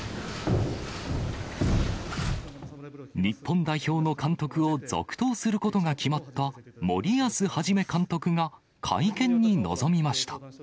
日本代表の監督を続投することが決まった森保一監督が、会見に臨みました。